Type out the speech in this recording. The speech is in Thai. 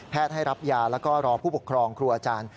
ให้รับยาแล้วก็รอผู้ปกครองครูอาจารย์